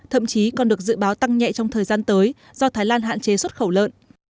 thậm chí còn được dự báo tăng nhẹ trong thời gian tới do thái lan hạn chế xuất khẩu lợn